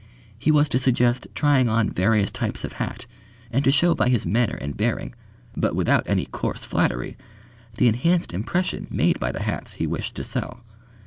He was to suggest trying on various types of hat and to show by his manner and bearing, but without any coarse flattery, the enhanced impression made by the hats he wished to sell.